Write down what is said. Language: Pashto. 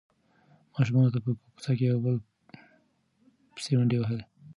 ماشومانو به په کوڅه کې یو بل پسې منډې وهلې.